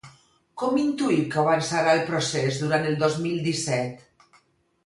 Com intuïu que avançarà el procés durant el dos mil disset?